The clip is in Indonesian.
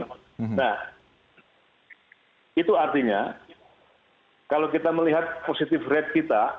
nah itu artinya kalau kita melihat positive rate kita